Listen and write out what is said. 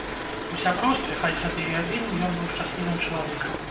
У сяброўстве, хай сабе і адзіным, ён быў шчаслівым чалавекам.